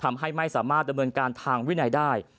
ทำให้ไม่สามารถดำเนินการทางวินัยได้